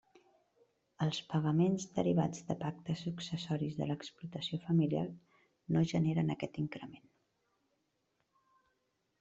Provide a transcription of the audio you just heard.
Els pagaments derivats de pactes successoris de l'explotació familiar no generen aquest increment.